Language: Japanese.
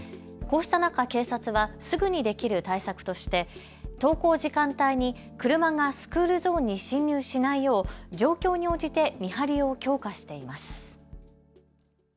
こうした中、警察はすぐにできる対策として登校時間帯に車がスクールゾーンに進入しないよう状況に応じて見張りを強化しています。